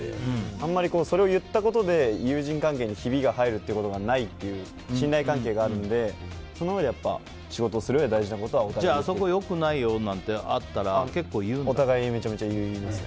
あんまり、それを言ったことで友人関係にひびが入ることはないという信頼関係があるのでそれで、仕事をするうえでそこ、よくないよってお互いめちゃめちゃ言います。